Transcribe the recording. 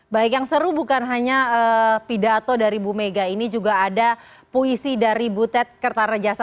baik yang seru bukan hanya pidato dari bu mega ini juga ada puisi dari butet kertarejasa